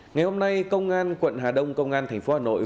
ngày hôm nay công an quận hà đông công an tp hà nội